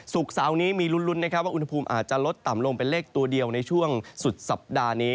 เสาร์นี้มีลุ้นนะครับว่าอุณหภูมิอาจจะลดต่ำลงเป็นเลขตัวเดียวในช่วงสุดสัปดาห์นี้